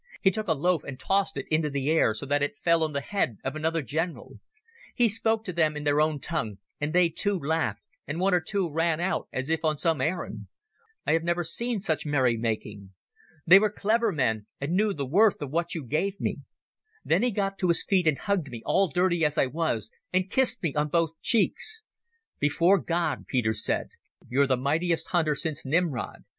He took a loaf and tossed it into the air so that it fell on the head of another general. He spoke to them in their own tongue, and they, too, laughed, and one or two ran out as if on some errand. I have never seen such merrymaking. They were clever men, and knew the worth of what you gave me. "Then he got to his feet and hugged me, all dirty as I was, and kissed me on both cheeks. "'Before God, Peter,' he said, 'you're the mightiest hunter since Nimrod.